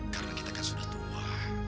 karena kita kan sudah tua